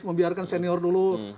membiarkan senior dulu